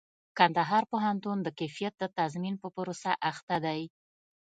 کندهار پوهنتون د کيفيت د تضمين په پروسه اخته دئ.